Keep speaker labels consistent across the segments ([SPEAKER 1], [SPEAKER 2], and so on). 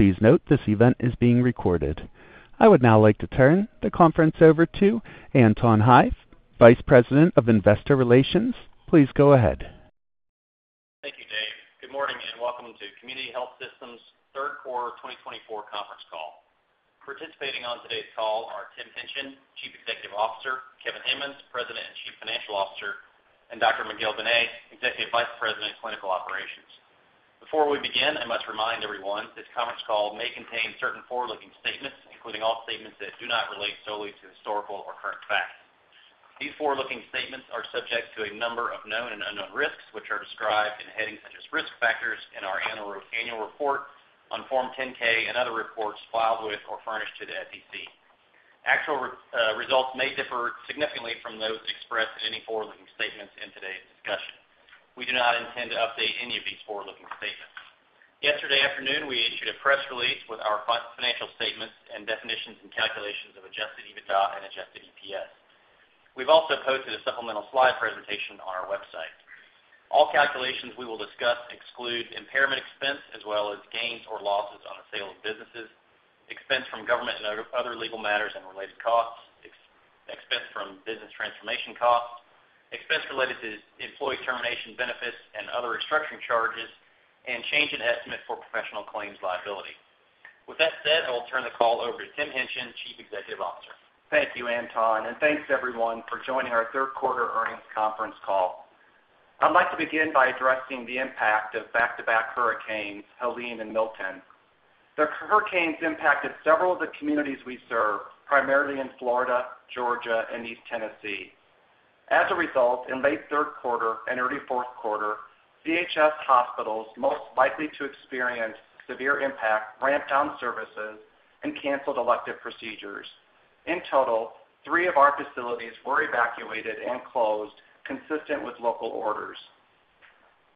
[SPEAKER 1] Please note this event is being recorded. I would now like to turn the conference over to Anton Hie, Vice President of Investor Relations. Please go ahead.
[SPEAKER 2] Thank you, Dave. Good morning, and welcome to Community Health Systems' Third Quarter 2024 Conference Call. Participating on today's call are Tim Hingtgen, Chief Executive Officer; Kevin Hammons, President and Chief Financial Officer; and Dr. Miguel Benet, Executive Vice President of Clinical Operations. Before we begin, I must remind everyone this conference call may contain certain forward-looking statements, including all statements that do not relate solely to historical or current facts. These forward-looking statements are subject to a number of known and unknown risks, which are described in headings such as Risk Factors in our annual report on Form 10-K and other reports filed with or furnished to the SEC. Actual results may differ significantly from those expressed in any forward-looking statements in today's discussion. We do not intend to update any of these forward-looking statements. Yesterday afternoon, we issued a press release with our financial statements and definitions and calculations of adjusted EBITDA and adjusted EPS. We've also posted a supplemental slide presentation on our website. All calculations we will discuss exclude impairment expense as well as gains or losses on the sale of businesses, expense from government and other legal matters and related costs, expense from business transformation costs, expense related to employee termination benefits and other restructuring charges, and change in estimate for professional claims liability. With that said, I'll turn the call over to Tim Hingtgen, Chief Executive Officer.
[SPEAKER 3] Thank you, Anton, and thanks, everyone, for joining our Third Quarter Earnings Conference Call. I'd like to begin by addressing the impact of back-to-back hurricanes, Helene and Milton. The hurricanes impacted several of the communities we serve, primarily in Florida, Georgia, and East Tennessee. As a result, in late third quarter and early fourth quarter, CHS hospitals most likely to experience severe impact, ramped down services and canceled elective procedures. In total, three of our facilities were evacuated and closed, consistent with local orders.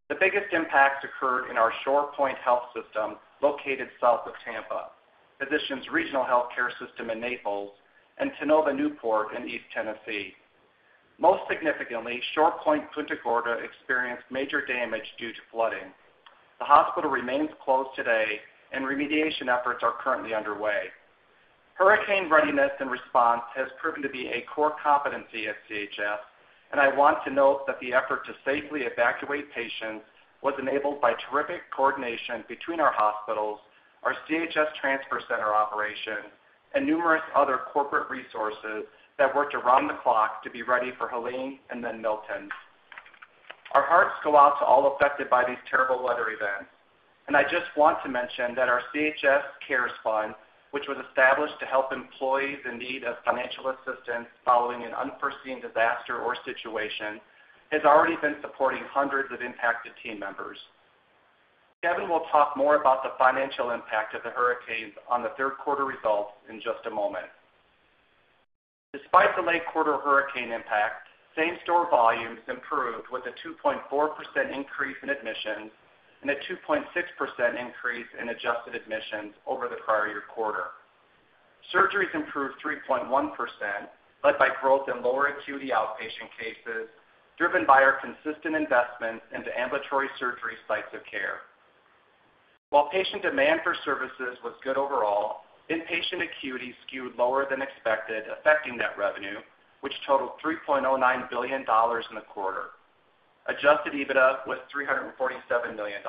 [SPEAKER 3] The biggest impacts occurred in our ShorePoint Health System, located south of Tampa, Physicians Regional Healthcare System in Naples, and Tennova Newport in East Tennessee. Most significantly, ShorePoint Punta Gorda experienced major damage due to flooding. The hospital remains closed today and remediation efforts are currently underway. Hurricane readiness and response has proven to be a core competency at CHS, and I want to note that the effort to safely evacuate patients was enabled by terrific coordination between our hospitals, our CHS Transfer Center operation, and numerous other corporate resources that worked around the clock to be ready for Helene and then Milton. Our hearts go out to all affected by these terrible weather events, and I just want to mention that our CHS Cares Fund, which was established to help employees in need of financial assistance following an unforeseen disaster or situation, has already been supporting hundreds of impacted team members. Kevin will talk more about the financial impact of the hurricanes on the third quarter results in just a moment. Despite the late quarter hurricane impact, same-store volumes improved with a 2.4% increase in admissions and a 2.6% increase in adjusted admissions over the prior year quarter. Surgeries improved 3.1%, led by growth in lower acuity outpatient cases, driven by our consistent investments into ambulatory surgery sites of care. While patient demand for services was good overall, inpatient acuity skewed lower than expected, affecting net revenue, which totaled $3.09 billion in the quarter. Adjusted EBITDA was $347 million.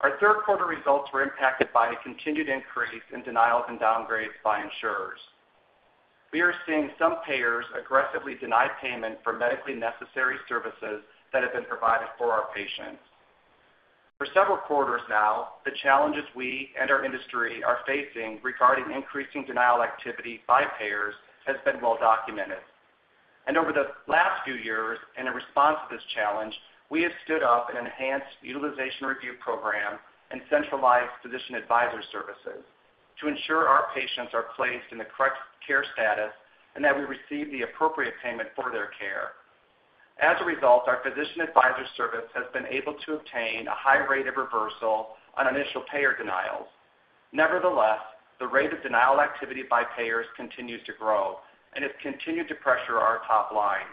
[SPEAKER 3] Our third quarter results were impacted by a continued increase in denials and downgrades by insurers. We are seeing some payers aggressively deny payment for medically necessary services that have been provided for our patients. For several quarters now, the challenges we and our industry are facing regarding increasing denial activity by payers has been well documented. And over the last few years, in a response to this challenge, we have stood up an enhanced utilization review program and centralized physician advisor services to ensure our patients are placed in the correct care status and that we receive the appropriate payment for their care. As a result, our physician advisor service has been able to obtain a high rate of reversal on initial payer denials. Nevertheless, the rate of denial activity by payers continues to grow and has continued to pressure our top line.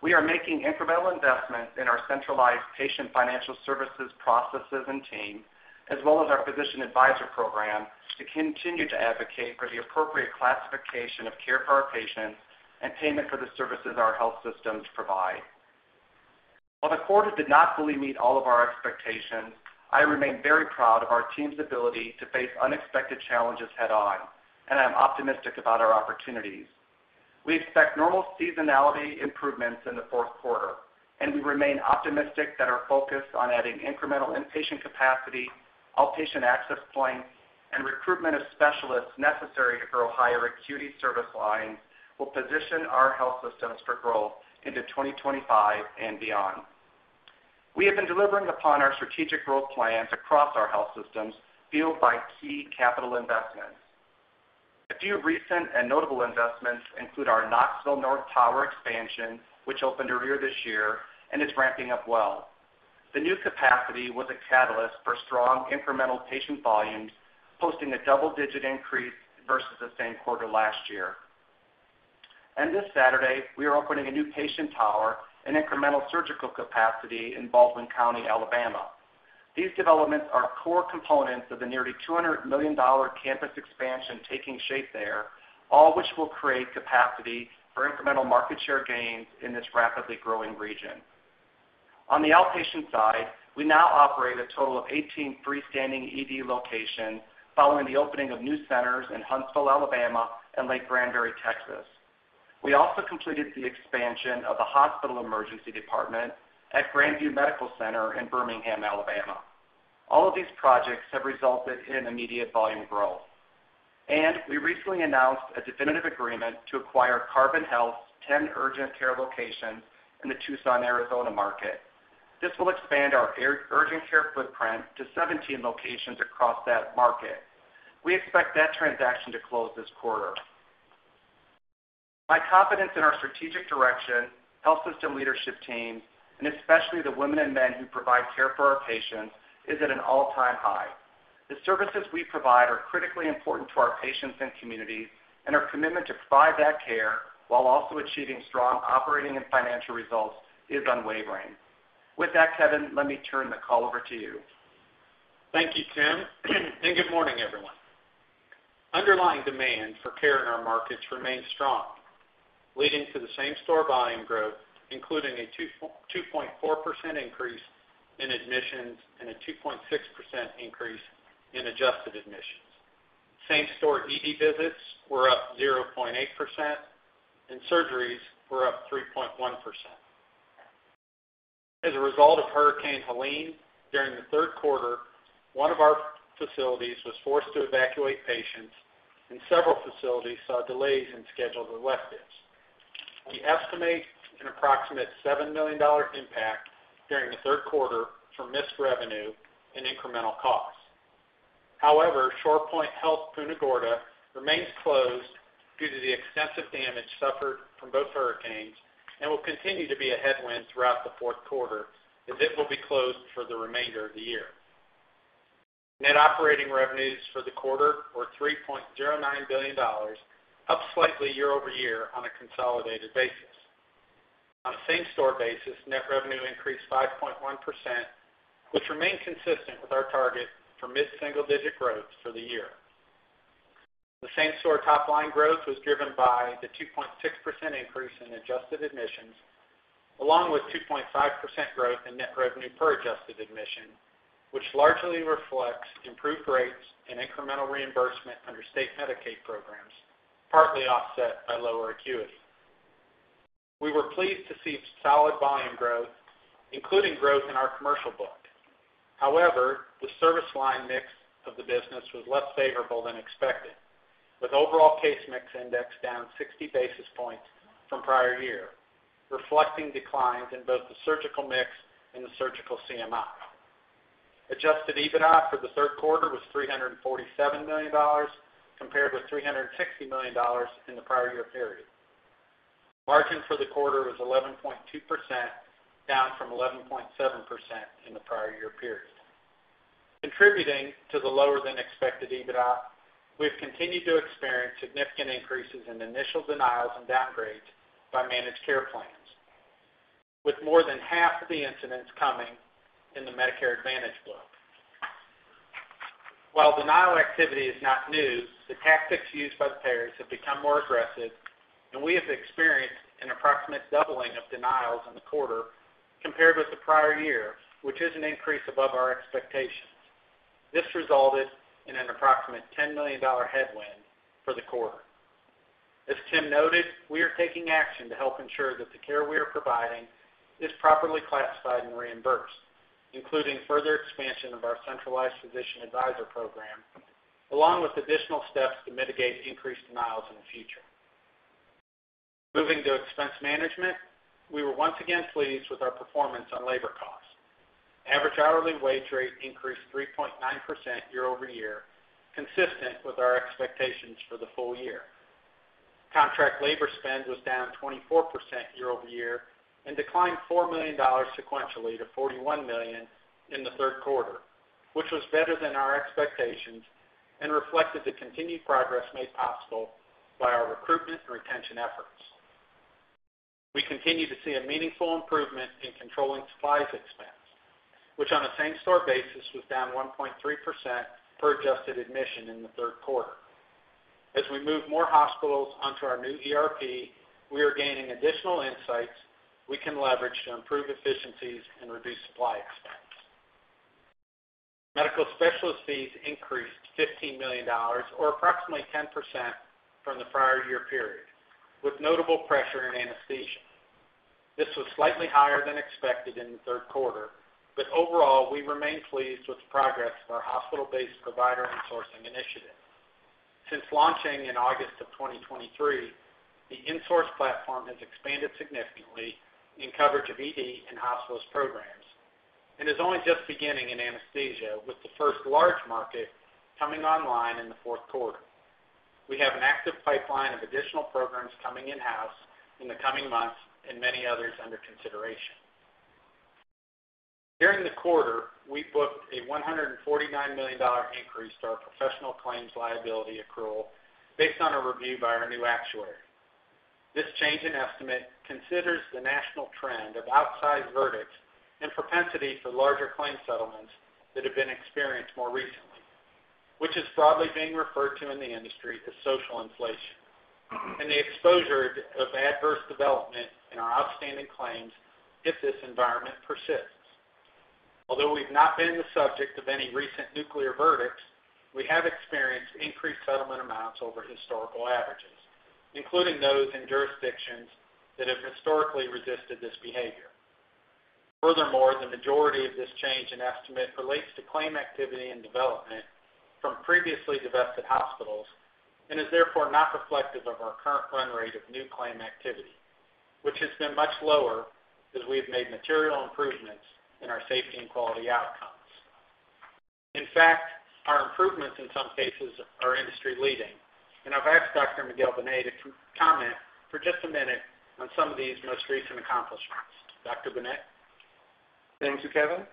[SPEAKER 3] We are making incremental investments in our centralized patient financial services processes and team, as well as our Physician Advisor Program, to continue to advocate for the appropriate classification of care for our patients and payment for the services our health systems provide. While the quarter did not fully meet all of our expectations, I remain very proud of our team's ability to face unexpected challenges head-on, and I'm optimistic about our opportunities. We expect normal seasonality improvements in the fourth quarter, and we remain optimistic that our focus on adding incremental inpatient capacity, outpatient access points, and recruitment of specialists necessary to grow higher acuity service lines will position our health systems for growth into 2025 and beyond. We have been delivering upon our strategic growth plans across our health systems, fueled by key capital investments. A few recent and notable investments include our Knoxville North Tower expansion, which opened earlier this year and is ramping up well. The new capacity was a catalyst for strong incremental patient volumes, posting a double-digit increase versus the same quarter last year. And this Saturday, we are opening a new patient tower and incremental surgical capacity in Baldwin County, Alabama. These developments are core components of the nearly $200 million campus expansion taking shape there, all which will create capacity for incremental market share gains in this rapidly growing region. On the outpatient side, we now operate a total of 18 freestanding ED locations following the opening of new centers in Huntsville, Alabama, and Lake Granbury, Texas. We also completed the expansion of the hospital emergency department at Grandview Medical Center in Birmingham, Alabama. All of these projects have resulted in immediate volume growth, and we recently announced a definitive agreement to acquire Carbon Health's 10 urgent care locations in the Tucson, Arizona market. This will expand our urgent care footprint to 17 locations across that market. We expect that transaction to close this quarter. My confidence in our strategic direction, health system leadership team, and especially the women and men who provide care for our patients, is at an all-time high. The services we provide are critically important to our patients and communities, and our commitment to provide that care, while also achieving strong operating and financial results, is unwavering. With that, Kevin, let me turn the call over to you.
[SPEAKER 4] Thank you, Tim, and good morning, everyone. Underlying demand for care in our markets remains strong, leading to the same-store volume growth, including a 2.4% increase in admissions and a 2.6% increase in adjusted admissions. Same-store ED visits were up 0.8%, and surgeries were up 3.1%. As a result of Hurricane Helene, during the third quarter, one of our facilities was forced to evacuate patients, and several facilities saw delays in scheduled electives. We estimate an approximate $7 million impact during the third quarter from missed revenue and incremental costs. However, ShorePoint Health Punta Gorda remains closed due to the extensive damage suffered from both hurricanes and will continue to be a headwind throughout the fourth quarter, as it will be closed for the remainder of the year. Net operating revenues for the quarter were $3.09 billion, up slightly year-over-year on a consolidated basis. On a same-store basis, net revenue increased 5.1%, which remains consistent with our target for mid-single-digit growth for the year. The same-store top-line growth was driven by the 2.6% increase in adjusted admissions, along with 2.5% growth in net revenue per adjusted admission, which largely reflects improved rates and incremental reimbursement under state Medicaid programs, partly offset by lower acuity. We were pleased to see solid volume growth, including growth in our commercial book. However, the service line mix of the business was less favorable than expected, with overall case mix index down 60 basis points from prior year, reflecting declines in both the surgical mix and the surgical CMI. Adjusted EBITDA for the third quarter was $347 million, compared with $360 million in the prior year period. Margin for the quarter was 11.2%, down from 11.7% in the prior year period. Contributing to the lower-than-expected EBITDA, we have continued to experience significant increases in initial denials and downgrades by managed care plans, with more than half of the incidents coming in the Medicare Advantage book. While denial activity is not new, the tactics used by the payers have become more aggressive, and we have experienced an approximate doubling of denials in the quarter compared with the prior year, which is an increase above our expectations. This resulted in an approximate $10 million headwind for the quarter. As Tim noted, we are taking action to help ensure that the care we are providing is properly classified and reimbursed, including further expansion of our centralized Physician Advisor Program, along with additional steps to mitigate increased denials in the future. Moving to expense management, we were once again pleased with our performance on labor costs. Average hourly wage rate increased 3.9% year-over-year, consistent with our expectations for the full year. Contract labor spend was down 24% year-over-year and declined $4 million sequentially to $41 million in the third quarter, which was better than our expectations and reflected the continued progress made possible by our recruitment and retention efforts. We continue to see a meaningful improvement in controlling supplies expense, which, on a same-store basis, was down 1.3% per adjusted admission in the third quarter. As we move more hospitals onto our new ERP, we are gaining additional insights we can leverage to improve efficiencies and reduce supply expense. Medical specialist fees increased $15 million, or approximately 10% from the prior year period, with notable pressure in anesthesia. This was slightly higher than expected in the third quarter, but overall, we remain pleased with the progress of our hospital-based provider insourcing initiative. Since launching in August of 2023, the insource platform has expanded significantly in coverage of ED and hospitalist programs and is only just beginning in anesthesia, with the first large market coming online in the fourth quarter. We have an active pipeline of additional programs coming in-house in the coming months and many others under consideration. During the quarter, we booked a $149 million increase to our professional claims liability accrual based on a review by our new actuary. This change in estimate considers the national trend of outsized verdicts and propensity for larger claim settlements that have been experienced more recently, which is broadly being referred to in the industry as social inflation, and the exposure of adverse development in our outstanding claims if this environment persists. Although we've not been the subject of any recent nuclear verdicts, we have experienced increased settlement amounts over historical averages, including those in jurisdictions that have historically resisted this behavior. Furthermore, the majority of this change in estimate relates to claim activity and development from previously divested hospitals and is therefore not reflective of our current run rate of new claim activity, which has been much lower as we have made material improvements in our safety and quality outcomes. In fact, our improvements in some cases are industry leading, and I've asked Dr. Miguel Benet to comment for just a minute on some of these most recent accomplishments. Dr. Benet?
[SPEAKER 5] Thank you, Kevin.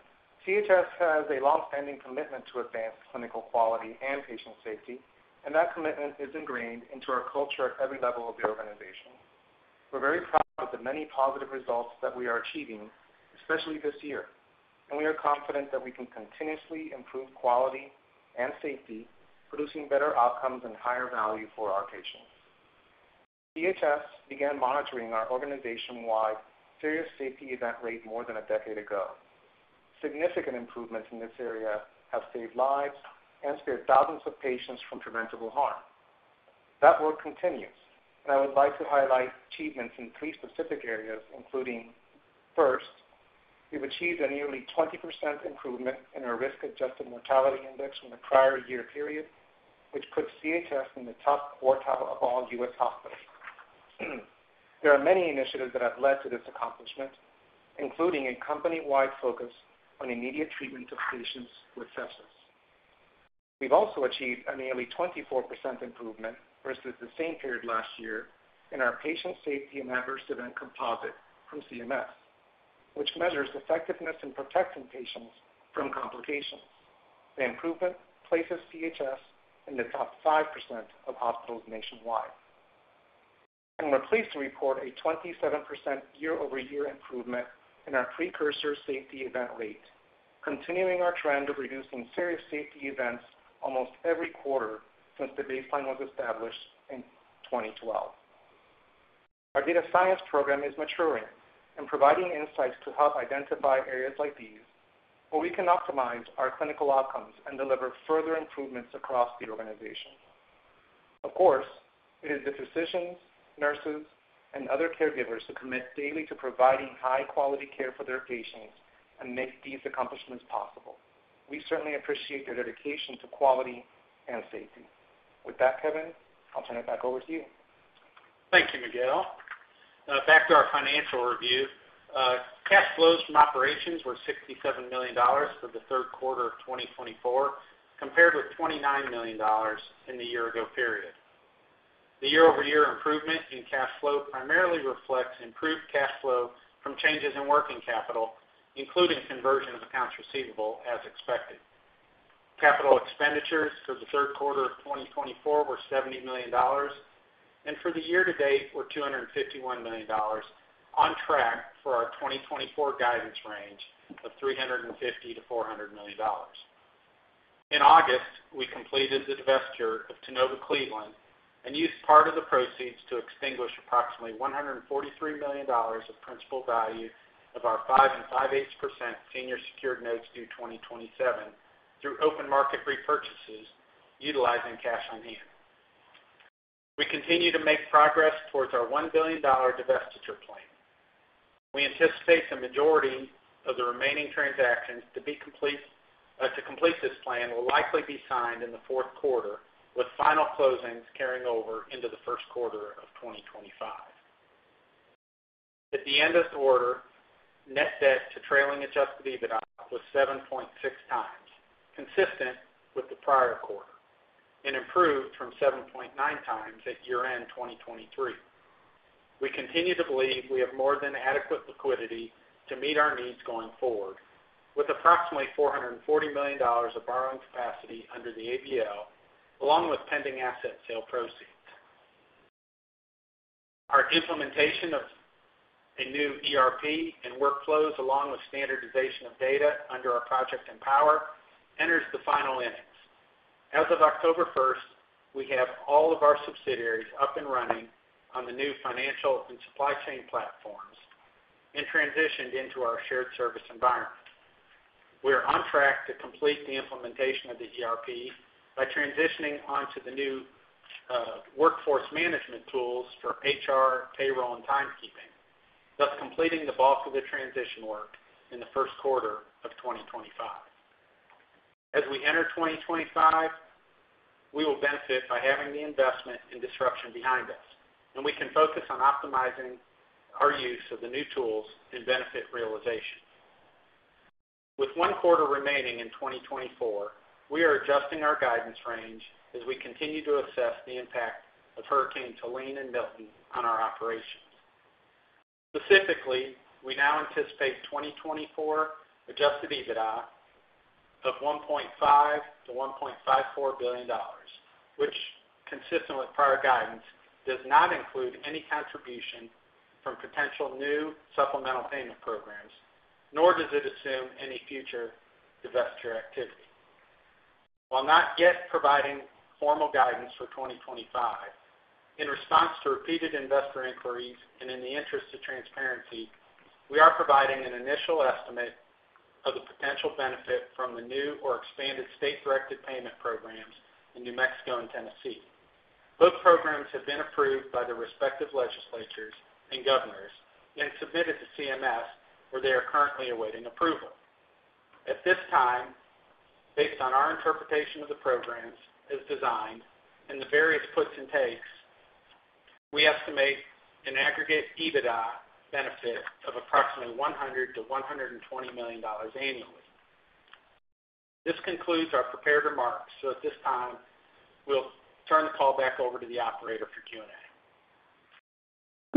[SPEAKER 5] CHS has a long-standing commitment to advanced clinical quality and patient safety, and that commitment is ingrained into our culture at every level of the organization. We're very proud of the many positive results that we are achieving, especially this year, and we are confident that we can continuously improve quality and safety, producing better outcomes and higher value for our patients. CHS began monitoring our organization-wide serious safety event rate more than a decade ago. Significant improvements in this area have saved lives and spared thousands of patients from preventable harm. That work continues, and I would like to highlight achievements in three specific areas, including, first, we've achieved a nearly 20% improvement in our risk-adjusted mortality index from the prior year period, which puts CHS in the top quartile of all U.S. hospitals. There are many initiatives that have led to this accomplishment, including a company-wide focus on immediate treatment of patients with sepsis. We've also achieved a nearly 24% improvement versus the same period last year in our patient safety and adverse event composite from CMS, which measures effectiveness in protecting patients from complications. The improvement places CHS in the top 5% of hospitals nationwide. I'm pleased to report a 27% year-over-year improvement in our precursor safety event rate, continuing our trend of reducing serious safety events almost every quarter since the baseline was established in 2012. Our data science program is maturing and providing insights to help identify areas like these, where we can optimize our clinical outcomes and deliver further improvements across the organization. Of course, it is the physicians, nurses, and other caregivers who commit daily to providing high-quality care for their patients and make these accomplishments possible. We certainly appreciate their dedication to quality and safety. With that, Kevin, I'll turn it back over to you.
[SPEAKER 4] Thank you, Miguel. Now back to our financial review. Cash flows from operations were $67 million for the third quarter of 2024, compared with $29 million in the year ago period. The year-over-year improvement in cash flow primarily reflects improved cash flow from changes in working capital, including conversion of accounts receivable as expected. Capital expenditures for the third quarter of 2024 were $70 million, and for the year-to-date were $251 million, on track for our 2024 guidance range of $350 million to $400 million. In August, we completed the divestiture of Tennova Cleveland and used part of the proceeds to extinguish approximately $143 million of principal value of our 5 5/8% senior secured notes due 2027 through open market repurchases utilizing cash on hand. We continue to make progress towards our $1 billion divestiture plan. We anticipate the majority of the remaining transactions to complete this plan will likely be signed in the fourth quarter, with final closings carrying over into the first quarter of 2025. At the end of the quarter, net debt to trailing adjusted EBITDA was 7.6x, consistent with the prior quarter, and improved from 7.9x at year-end 2023. We continue to believe we have more than adequate liquidity to meet our needs going forward, with approximately $440 million of borrowing capacity under the ABL, along with pending asset sale proceeds. Our implementation of a new ERP and workflows, along with standardization of data under our Project Empower, enters the final innings. As of October 1st, we have all of our subsidiaries up and running on the new financial and supply chain platforms and transitioned into our shared service environment. We are on track to complete the implementation of the ERP by transitioning onto the new, workforce management tools for HR, payroll, and timekeeping, thus completing the bulk of the transition work in the first quarter of 2025. As we enter 2025, we will benefit by having the investment and disruption behind us, and we can focus on optimizing our use of the new tools and benefit realization. With one quarter remaining in 2024, we are adjusting our guidance range as we continue to assess the impact of Hurricanes Helene and Milton on our operations. Specifically, we now anticipate 2024 adjusted EBITDA of $1.5 billion-$1.54 billion, which, consistent with prior guidance, does not include any contribution from potential new supplemental payment programs, nor does it assume any future divestiture activity. While not yet providing formal guidance for 2025, in response to repeated investor inquiries and in the interest of transparency, we are providing an initial estimate of the potential benefit from the new or expanded state-directed payment programs in New Mexico and Tennessee. Both programs have been approved by the respective legislatures and governors and submitted to CMS, where they are currently awaiting approval. At this time, based on our interpretation of the programs as designed and the various puts and takes, we estimate an aggregate EBITDA benefit of approximately $100 million-$120 million annually. This concludes our prepared remarks. At this time, we'll turn the call back over to the operator for Q&A.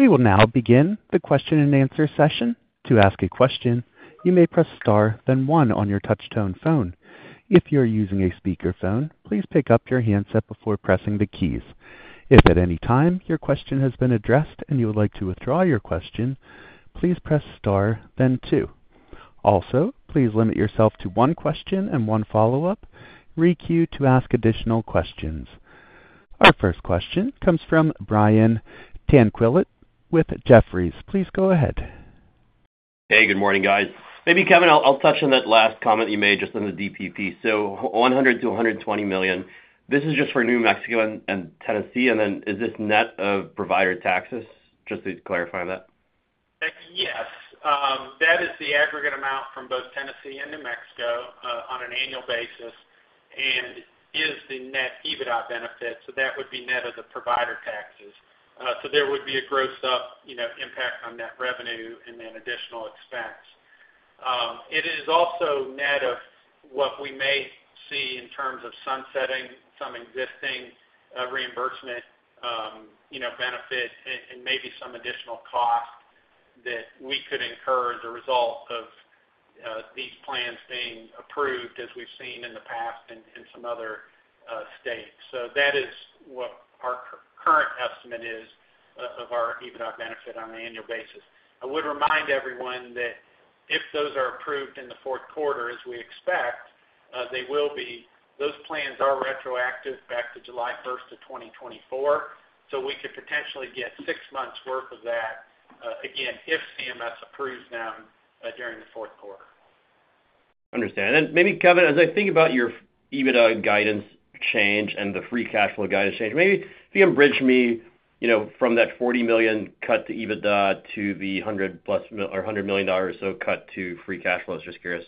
[SPEAKER 1] We will now begin the question-and-answer session. To ask a question, you may press star, then one on your touchtone phone. If you're using a speakerphone, please pick up your handset before pressing the keys. If at any time your question has been addressed and you would like to withdraw your question, please press star then two. Also, please limit yourself to one question and one follow-up. Requeue to ask additional questions. Our first question comes from Brian Tanquilut with Jefferies. Please go ahead.
[SPEAKER 6] Hey, good morning, guys. Maybe, Kevin, I'll, I'll touch on that last comment you made just on the DPP. So $100 million-$120 million. This is just for New Mexico and Tennessee, and then is this net of provider taxes? Just to clarify that.
[SPEAKER 4] Yes, that is the aggregate amount from both Tennessee and New Mexico, on an annual basis and is the net EBITDA benefit, so that would be net of the provider taxes, so there would be a gross up, you know, impact on net revenue and then additional expense. It is also net of what we may see in terms of sunsetting some existing reimbursement, you know, benefit and maybe some additional cost that we could incur as a result of these plans being approved, as we've seen in the past in some other states, so that is what our current estimate is of our EBITDA benefit on an annual basis. I would remind everyone that if those are approved in the fourth quarter, as we expect, they will be, those plans are retroactive back to July 1st of 2024, so we could potentially get six months' worth of that, again, if CMS approves them, during the fourth quarter.
[SPEAKER 6] Understand. And maybe, Kevin, as I think about your EBITDA guidance change and the free cash flow guidance change, maybe if you can bridge me, you know, from that $40 million cut to EBITDA to the hundred plus million or $100 million, so cut to free cash flow. Just curious?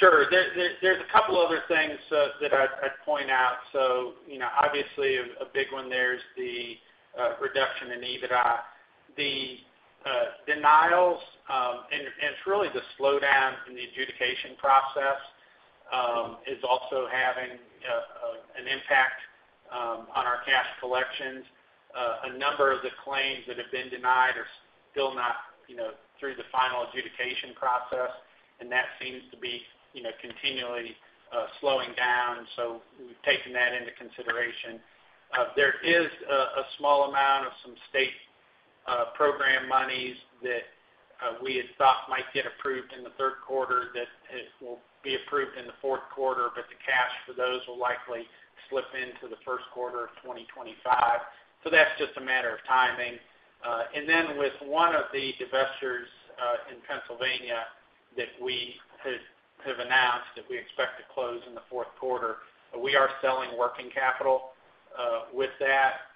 [SPEAKER 4] Sure. There's a couple other things that I'd point out. So, you know, obviously, a big one there is the reduction in EBITDA. The denials and it's really the slowdown in the adjudication process is also having an impact on our cash collections. A number of the claims that have been denied are still not, you know, through the final adjudication process, and that seems to be, you know, continually slowing down, and so we've taken that into consideration. There is a small amount of some state program monies that we had thought might get approved in the third quarter that it will be approved in the fourth quarter, but the cash for those will likely slip into the first quarter of 2025. So that's just a matter of timing. And then with one of the divestitures in Pennsylvania that we have announced, that we expect to close in the fourth quarter, we are selling working capital with that.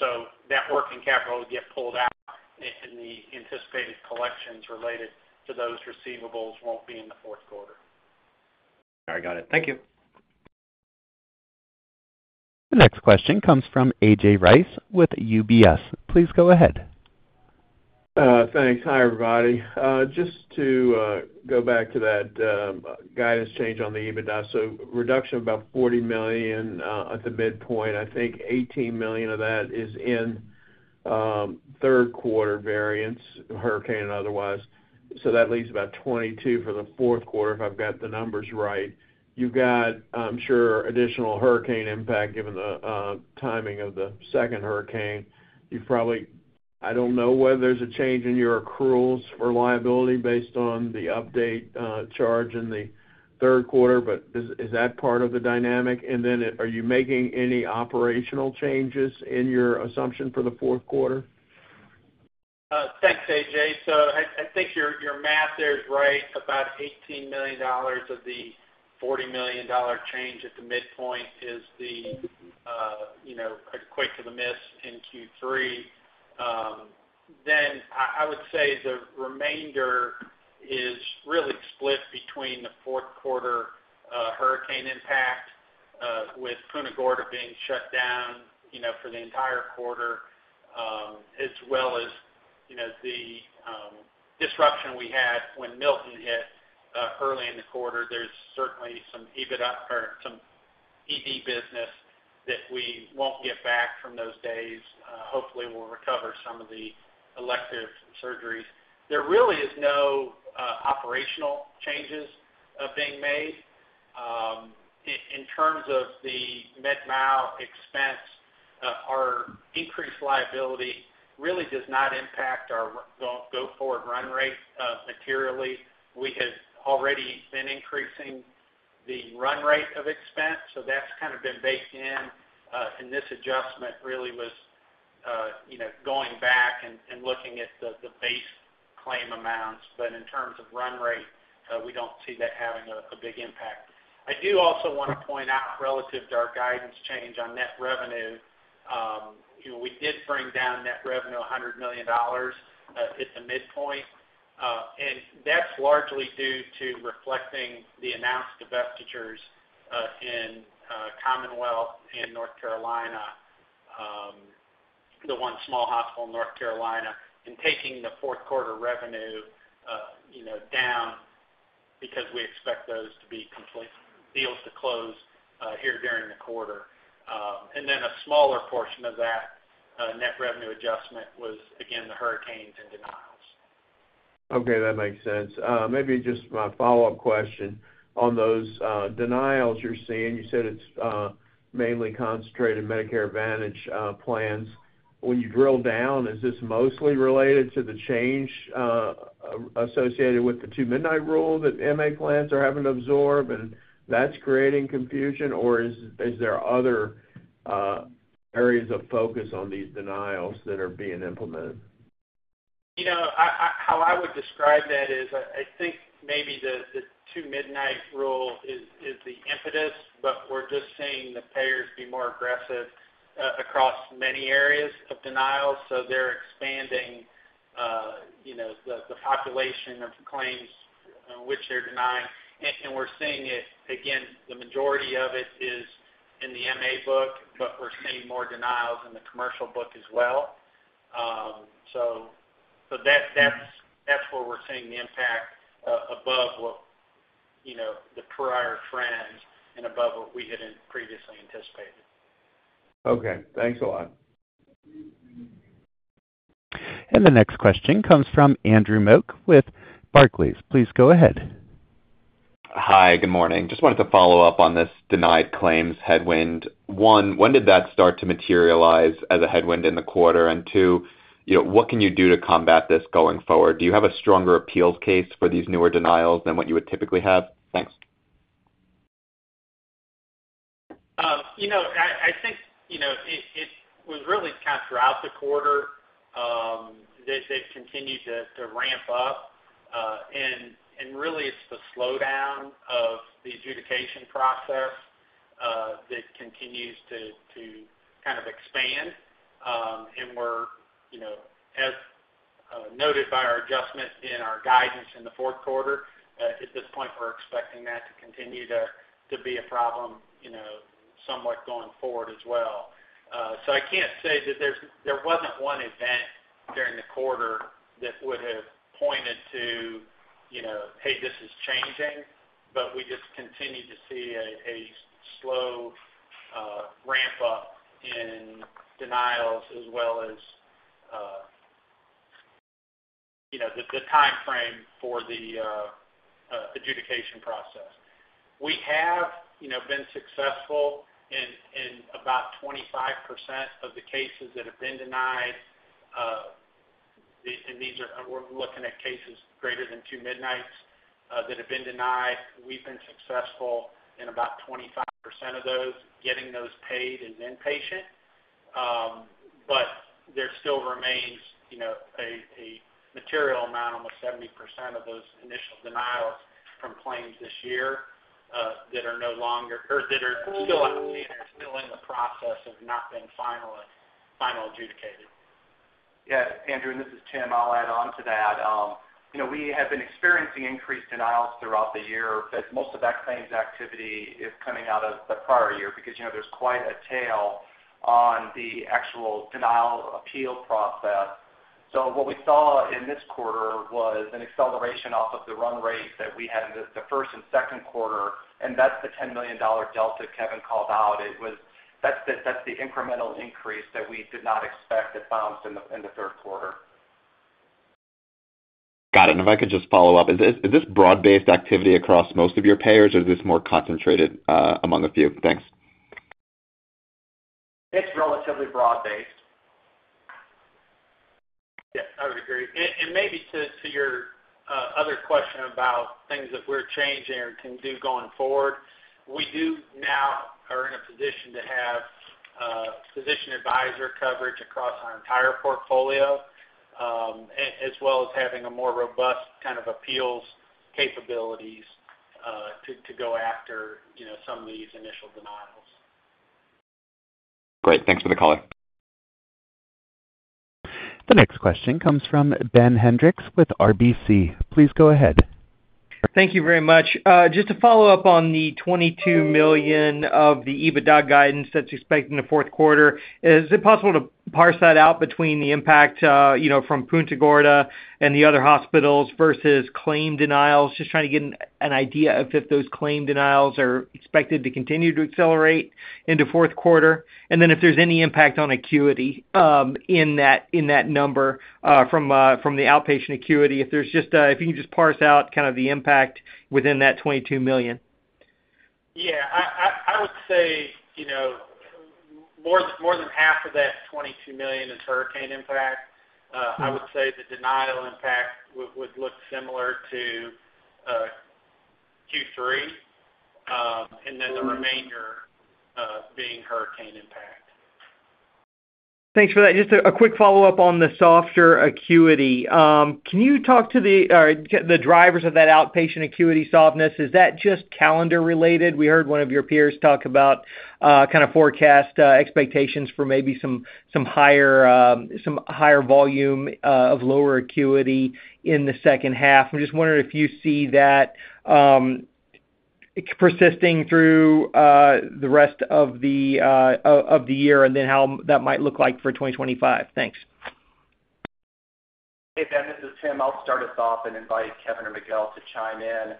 [SPEAKER 4] So that working capital would get pulled out, and the anticipated collections related to those receivables won't be in the fourth quarter.
[SPEAKER 6] I got it. Thank you.
[SPEAKER 1] The next question comes from A.J. Rice with UBS. Please go ahead.
[SPEAKER 7] Thanks. Hi, everybody. Just to go back to that guidance change on the EBITDA. So reduction of about $40 million at the midpoint. I think $18 million of that is in third quarter variance, hurricane otherwise. So that leaves about $22 million for the fourth quarter, if I've got the numbers right. You've got, I'm sure, additional hurricane impact, given the timing of the second hurricane. You've probably. I don't know whether there's a change in your accruals or liability based on the update charge in the third quarter, but is that part of the dynamic? And then, are you making any operational changes in your assumption for the fourth quarter?
[SPEAKER 4] Thanks, A.J. So I think your math there is right. About $18 million of the $40 million change at the midpoint is the, you know, equate to the miss in Q3. Then I would say the remainder is really split between the fourth quarter, hurricane impact, with Punta Gorda being shut down, you know, for the entire quarter, as well as, you know, the, disruption we had when Milton hit, early in the quarter. There's certainly some EBITDA or some ED business that we won't get back from those days. Hopefully, we'll recover some of the elective surgeries. There really is no operational changes being made. In terms of the med mal expense, our increased liability really does not impact our go forward run rate, materially. We have already been increasing the run rate of expense, so that's kind of been baked in. And this adjustment really was, you know, going back and looking at the base claim amounts. But in terms of run rate, we don't see that having a big impact. I do also wanna point out, relative to our guidance change on net revenue, you know, we did bring down net revenue $100 million, at the midpoint. And that's largely due to reflecting the announced divestitures, in Commonwealth in North Carolina, the one small hospital in North Carolina, and taking the fourth quarter revenue, you know, down because we expect those deals to close, here during the quarter. And then a smaller portion of that net revenue adjustment was, again, the hurricanes and denials.
[SPEAKER 7] Okay, that makes sense. Maybe just my follow-up question on those denials you're seeing. You said it's mainly concentrated Medicare Advantage plans. When you drill down, is this mostly related to the change associated with the Two-Midnight rule that MA plans are having to absorb, and that's creating confusion, or is there other areas of focus on these denials that are being implemented?
[SPEAKER 4] You know, how I would describe that is, I think maybe the Two-Midnight rule is the impetus, but we're just seeing the payers be more aggressive across many areas of denial. So they're expanding, you know, the population of claims which they're denying. And we're seeing it, again, the majority of it is in the MA book, but we're seeing more denials in the commercial book as well. So that's where we're seeing the impact above what, you know, the prior trends and above what we had in previously anticipated.
[SPEAKER 7] Okay, thanks a lot.
[SPEAKER 1] The next question comes from Andrew Mok with Barclays. Please go ahead.
[SPEAKER 8] Hi, good morning. Just wanted to follow up on this denied claims headwind. One, when did that start to materialize as a headwind in the quarter? And two, you know, what can you do to combat this going forward? Do you have a stronger appeals case for these newer denials than what you would typically have? Thanks.
[SPEAKER 4] You know, I think, you know, it was really kind of throughout the quarter that it continued to ramp up. And really it's the slowdown of the adjudication process that continues to kind of expand. And we're, you know, as noted by our adjustment in our guidance in the fourth quarter, at this point, we're expecting that to continue to be a problem, you know, somewhat going forward as well. So I can't say that there's--there wasn't one event during the quarter that would have pointed to, you know, hey, this is changing, but we just continue to see a slow ramp up in denials as well as, you know, the timeframe for the adjudication process. We have, you know, been successful in about 25% of the cases that have been denied, and these are cases we're looking at greater than two midnights that have been denied. We've been successful in about 25% of those, getting those paid as inpatient, but there still remains, you know, a material amount, almost 70% of those initial denials from claims this year that are no longer or that are still outstanding, are still in the process of not being finally adjudicated.
[SPEAKER 3] Yes, Andrew, and this is Tim. I'll add on to that. You know, we have been experiencing increased denials throughout the year, but most of that claims activity is coming out of the prior year because, you know, there's quite a tail on the actual denial appeal process. So what we saw in this quarter was an acceleration off of the run rate that we had in the first and second quarter, and that's the $10 million delta Kevin called out. It was. That's the incremental increase that we did not expect that bounced in the third quarter.
[SPEAKER 8] Got it. And if I could just follow up. Is this, is this broad-based activity across most of your payers, or is this more concentrated, among a few? Thanks.
[SPEAKER 4] It's relatively broad-based. Yeah, I would agree. And maybe to your other question about things that we're changing or can do going forward, we do now are in a position to have physician advisor coverage across our entire portfolio, as well as having a more robust kind of appeals capabilities, to go after, you know, some of these initial denials.
[SPEAKER 8] Great. Thanks for the color.
[SPEAKER 1] The next question comes from Ben Hendrix with RBC. Please go ahead.
[SPEAKER 9] Thank you very much. Just to follow up on the $22 million of the EBITDA guidance that's expected in the fourth quarter, is it possible to parse that out between the impact, you know, from Punta Gorda and the other hospitals versus claim denials? Just trying to get an idea of if those claim denials are expected to continue to accelerate into fourth quarter. Then if there's any impact on acuity, in that number, from the outpatient acuity, if you can just parse out kind of the impact within that $22 million.
[SPEAKER 4] Yeah, I would say, you know, more than half of that $22 million is hurricane impact. I would say the denial impact would look similar to Q3, and then the remainder being hurricane impact.
[SPEAKER 9] Thanks for that. Just a quick follow-up on the softer acuity. Can you talk to the drivers of that outpatient acuity softness? Is that just calendar related? We heard one of your peers talk about kind of forecast expectations for maybe some higher volume of lower acuity in the second half. I'm just wondering if you see that persisting through the rest of the year, and then how that might look like for 2025. Thanks.
[SPEAKER 3] Hey, Ben, this is Tim. I'll start us off and invite Kevin or Miguel to chime in.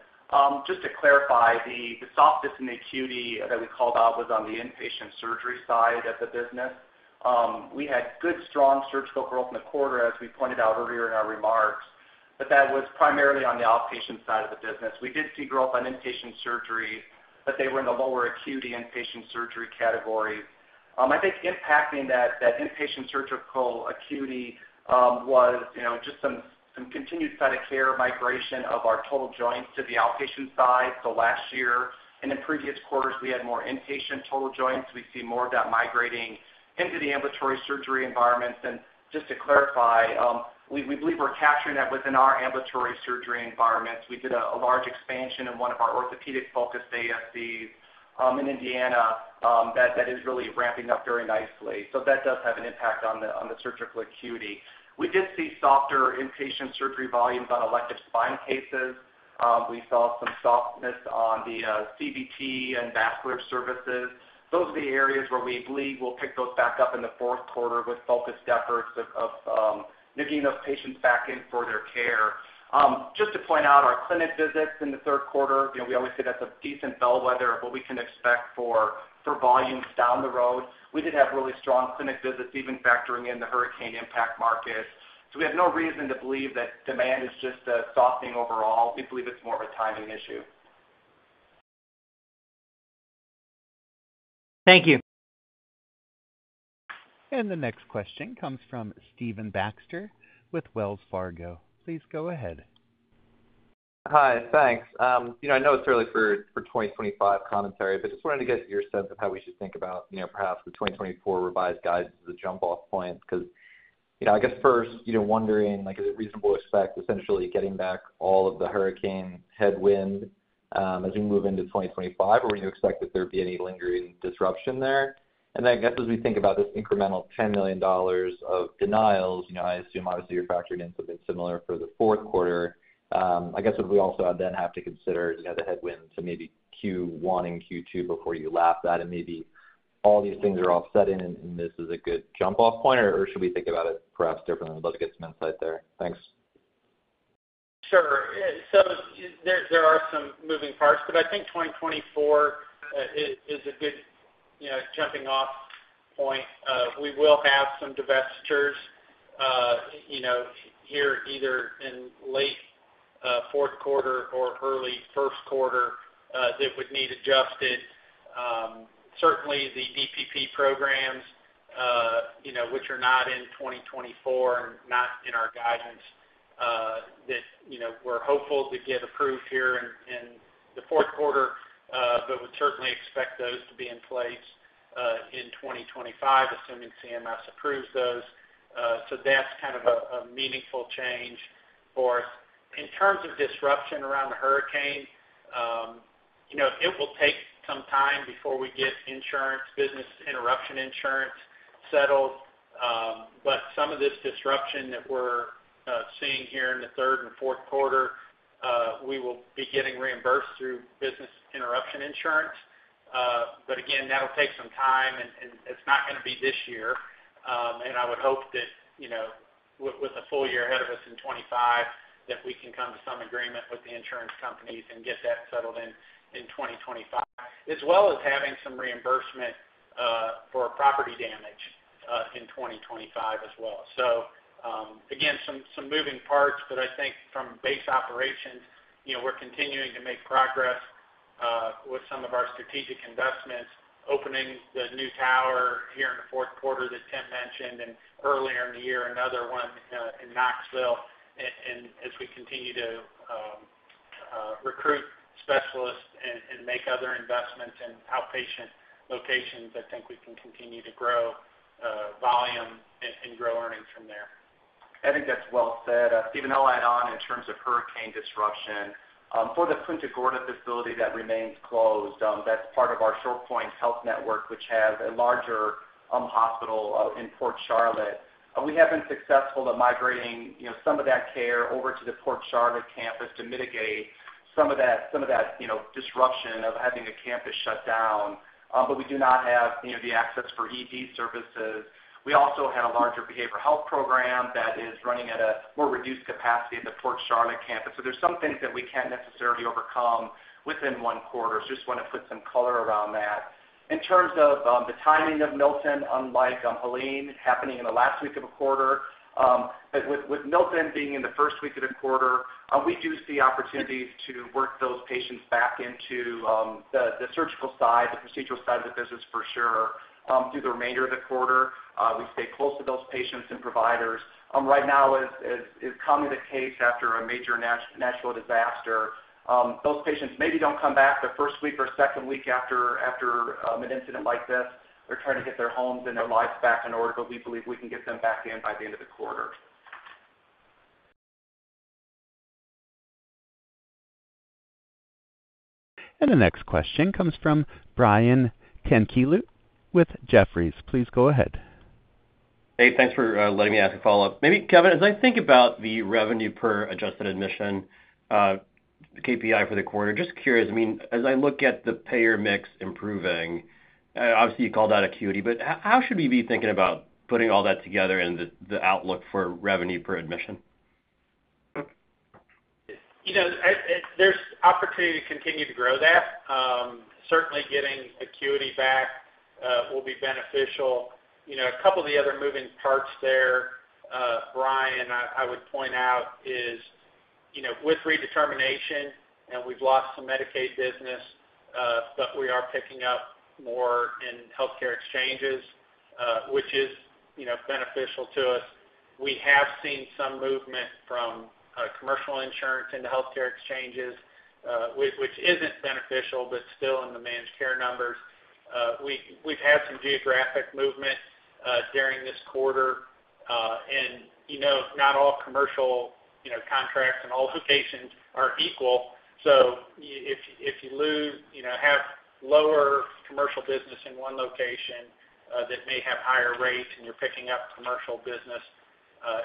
[SPEAKER 3] Just to clarify, the softness in acuity that we called out was on the inpatient surgery side of the business. We had good, strong surgical growth in the quarter, as we pointed out earlier in our remarks, but that was primarily on the outpatient side of the business. We did see growth on inpatient surgery, but they were in the lower acuity inpatient surgery category. I think impacting that inpatient surgical acuity was, you know, just some continued kind of care migration of our total joints to the outpatient side, so last year, and in previous quarters, we had more inpatient total joints. We see more of that migrating into the ambulatory surgery environments. Just to clarify, we believe we're capturing that within our ambulatory surgery environments. We did a large expansion in one of our orthopedic-focused ASCs in Indiana that is really ramping up very nicely. So that does have an impact on the surgical acuity. We did see softer inpatient surgery volumes on elective spine cases. We saw some softness on the CVT and vascular services. Those are the areas where we believe we'll pick those back up in the fourth quarter with focused efforts of getting those patients back in for their care. Just to point out, our clinic visits in the third quarter, you know, we always say that's a decent bellwether of what we can expect for volumes down the road. We did have really strong clinic visits, even factoring in the hurricane impact markets. So we have no reason to believe that demand is just softening overall. We believe it's more of a timing issue.
[SPEAKER 9] Thank you.
[SPEAKER 1] The next question comes from Stephen Baxter with Wells Fargo. Please go ahead.
[SPEAKER 10] Hi, thanks. You know, I know it's early for 2025 commentary, but just wanted to get your sense of how we should think about, you know, perhaps the 2024 revised guide as a jump-off point. Because, you know, I guess first, you know, wondering, like, is it reasonable to expect essentially getting back all of the hurricane headwind as we move into 2025, or you expect that there be any lingering disruption there? And then I guess, as we think about this incremental $10 million of denials, you know, I assume obviously you're factoring in something similar for the fourth quarter. I guess, would we also then have to consider, you know, the headwind to maybe Q1 and Q2 before you lap that, and maybe all these things are all set in, and, and this is a good jump-off point, or should we think about it perhaps differently? I'd love to get some insight there. Thanks.
[SPEAKER 4] Sure. So there are some moving parts, but I think 2024 is a good, you know, jumping-off point. We will have some divestitures, you know, here, either in late fourth quarter or early first quarter, that would need adjusted. Certainly the DPP programs, you know, which are not in 2024 and not in our guidance, that, you know, we're hopeful to get approved here in the fourth quarter, but would certainly expect those to be in place in 2025, assuming CMS approves those. So that's kind of a meaningful change for us. In terms of disruption around the hurricane, you know, it will take some time before we get insurance, business interruption insurance settled. But some of this disruption that we're seeing here in the third and fourth quarter, we will be getting reimbursed through business interruption insurance. But again, that'll take some time, and it's not gonna be this year. I would hope that, you know, with a full year ahead of us in 2025, that we can come to some agreement with the insurance companies and get that settled in 2025, as well as having some reimbursement for property damage in 2025 as well. Again, some moving parts, but I think from base operations, you know, we're continuing to make progress with some of our strategic investments, opening the new tower here in the fourth quarter that Tim mentioned, and earlier in the year, another one in Knoxville. As we continue to recruit specialists and make other investments in outpatient locations, I think we can continue to grow volume and grow earnings from there.
[SPEAKER 3] I think that's well said. Stephen, I'll add on in terms of hurricane disruption. For the Punta Gorda facility, that remains closed. That's part of our ShorePoint Health Network, which has a larger hospital in Port Charlotte. We have been successful at migrating, you know, some of that care over to the Port Charlotte campus to mitigate some of that, you know, disruption of having a campus shut down. But we do not have, you know, the access for ED services. We also had a larger behavioral health program that is running at a more reduced capacity at the Port Charlotte campus. So there's some things that we can't necessarily overcome within one quarter. Just want to put some color around that. In terms of the timing of Milton, unlike Helene happening in the last week of a quarter, with Milton being in the first week of the quarter, we do see opportunities to work those patients back into the surgical side, the procedural side of the business for sure, through the remainder of the quarter. We stay close to those patients and providers. Right now, as common a case after a major natural disaster, those patients maybe don't come back the first week or second week after an incident like this. They're trying to get their homes and their lives back in order, but we believe we can get them back in by the end of the quarter.
[SPEAKER 1] The next question comes from Brian Tanquilut with Jefferies. Please go ahead.
[SPEAKER 6] Hey, thanks for letting me ask a follow-up. Maybe, Kevin, as I think about the revenue per adjusted admission, KPI for the quarter, just curious, I mean, as I look at the payer mix improving, obviously, you called out acuity, but how should we be thinking about putting all that together and the outlook for revenue per admission?
[SPEAKER 4] You know, there's opportunity to continue to grow that. Certainly, getting acuity back will be beneficial. You know, a couple of the other moving parts there, Brian, I would point out is, you know, with redetermination, and we've lost some Medicaid business, but we are picking up more in healthcare exchanges, which is, you know, beneficial to us. We have seen some movement from commercial insurance into healthcare exchanges, which isn't beneficial, but still in the managed care numbers. We've had some geographic movement during this quarter. And you know, not all commercial contracts and all locations are equal. If you lose, you know, have lower commercial business in one location that may have higher rates, and you're picking up commercial business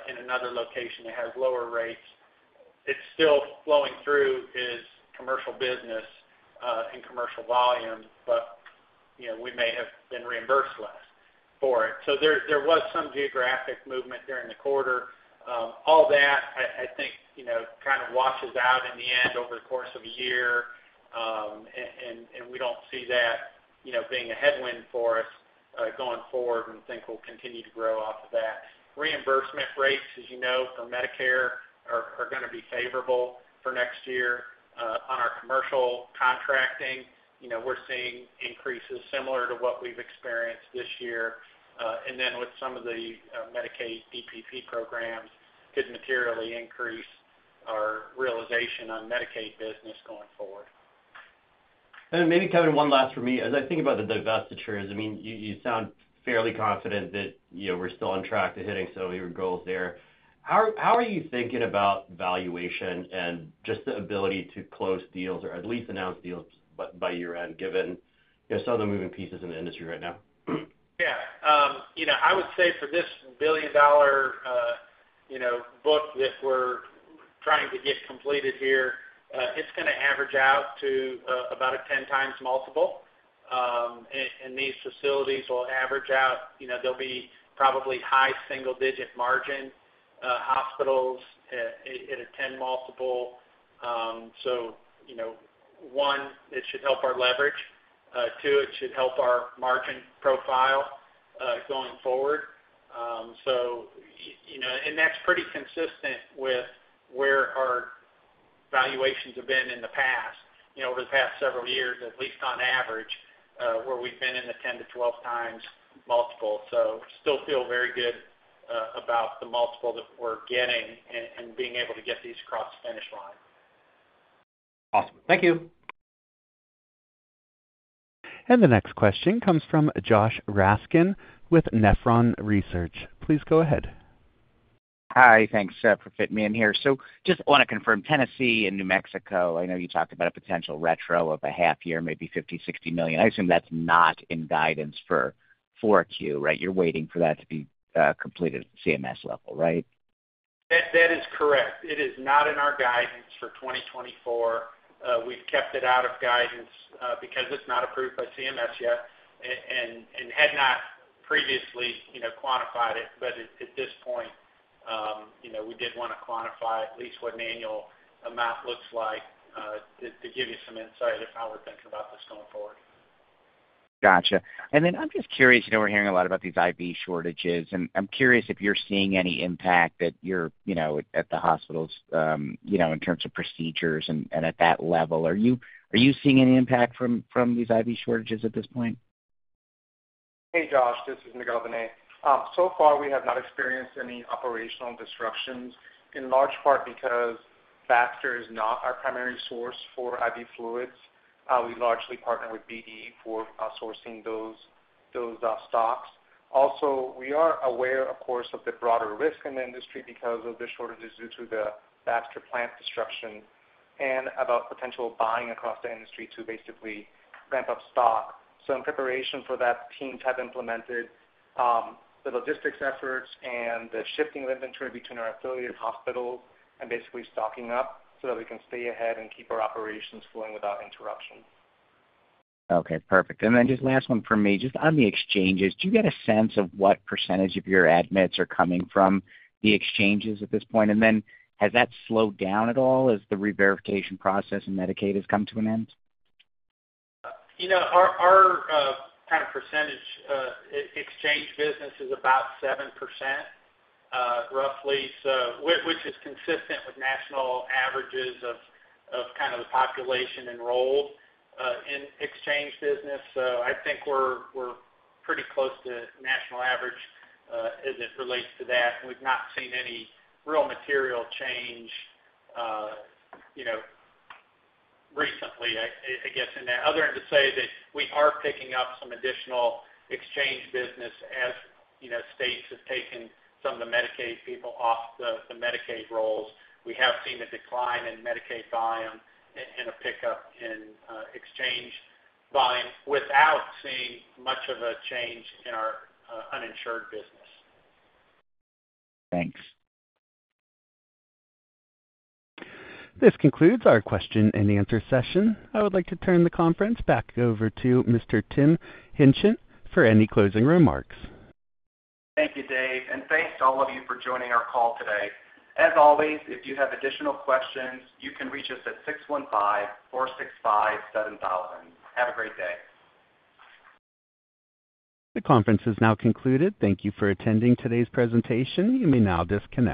[SPEAKER 4] in another location that has lower rates, it's still flowing through as commercial business and commercial volume, but, you know, we may have been reimbursed less for it. There was some geographic movement during the quarter. All that, I think, you know, kind of washes out in the end over the course of a year. And we don't see that, you know, being a headwind for us going forward, and think we'll continue to grow off of that. Reimbursement rates, as you know, for Medicare are gonna be favorable for next year. On our commercial contracting, you know, we're seeing increases similar to what we've experienced this year. And then with some of the Medicaid DPP programs could materially increase our realization on Medicaid business going forward.
[SPEAKER 6] Maybe, Kevin, one last for me. As I think about the divestitures, I mean, you sound fairly confident that, you know, we're still on track to hitting some of your goals there. How are you thinking about valuation and just the ability to close deals or at least announce deals by year-end, given, you know, some of the moving pieces in the industry right now?
[SPEAKER 4] Yeah. You know, I would say for this $1 billion-dollar book that we're trying to get completed here, it's gonna average out to about a 10x multiple. And these facilities will average out, you know, they'll be probably high single-digit margin hospitals at a 10x multiple. So, you know, one, it should help our leverage. Two, it should help our margin profile going forward. So, you know, and that's pretty consistent with where our valuations have been in the past, you know, over the past several years, at least on average, where we've been in the 10x-12x multiple. So still feel very good about the multiple that we're getting and being able to get these across the finish line.
[SPEAKER 6] Awesome. Thank you.
[SPEAKER 1] And the next question comes from Josh Raskin with Nephron Research. Please go ahead.
[SPEAKER 11] Hi. Thanks for fitting me in here. So just want to confirm, Tennessee and New Mexico, I know you talked about a potential retro of a half year, maybe $50 million-$60 million. I assume that's not in guidance for 4Q, right? You're waiting for that to be completed at the CMS level, right?
[SPEAKER 4] That, that is correct. It is not in our guidance for 2024. We've kept it out of guidance because it's not approved by CMS yet, and had not previously, you know, quantified it. But at this point, you know, we did want to quantify at least what an annual amount looks like, to give you some insight into how we're thinking about this going forward.
[SPEAKER 11] Gotcha. And then I'm just curious, you know, we're hearing a lot about these IV shortages, and I'm curious if you're seeing any impact that you're, you know, at the hospitals, you know, in terms of procedures and at that level. Are you seeing any impact from these IV shortages at this point?
[SPEAKER 5] Hey, Josh, this is Miguel Benet. So far, we have not experienced any operational disruptions, in large part because Baxter is not our primary source for IV fluids. We largely partner with BD for sourcing those stocks. Also, we are aware, of course, of the broader risk in the industry because of the shortages due to the Baxter plant disruption and about potential buying across the industry to basically ramp up stock. So in preparation for that, teams have implemented the logistics efforts and the shifting of inventory between our affiliated hospitals and basically stocking up, so that we can stay ahead and keep our operations flowing without interruption.
[SPEAKER 11] Okay, perfect. And then just last one from me. Just on the exchanges, do you get a sense of what percentage of your admits are coming from the exchanges at this point? And then has that slowed down at all as the reverification process in Medicaid has come to an end?
[SPEAKER 4] You know, our kind of percentage exchange business is about 7%, roughly. So which is consistent with national averages of kind of the population enrolled in exchange business. So I think we're pretty close to national average as it relates to that, and we've not seen any real material change, you know, recently, I guess, in there. Other than to say that we are picking up some additional exchange business as, you know, states have taken some of the Medicaid people off the Medicaid rolls. We have seen a decline in Medicaid volume and a pickup in exchange volume without seeing much of a change in our uninsured business.
[SPEAKER 11] Thanks.
[SPEAKER 1] This concludes our question and answer session. I would like to turn the conference back over to Mr. Tim Hingtgen for any closing remarks.
[SPEAKER 3] Thank you, Dave, and thanks to all of you for joining our call today. As always, if you have additional questions, you can reach us at six one five four six five seven thousand. Have a great day.
[SPEAKER 1] The conference is now concluded. Thank you for attending today's presentation. You may now disconnect.